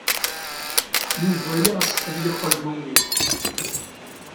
Yuba yeɣs ad yeqqel d ummil.